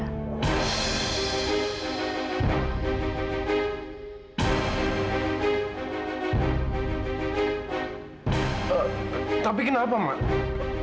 jadi kamu bisa tidur di kamar bersama kamila fadil